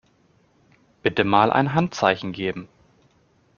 Bitte mal ein Handzeichen geben.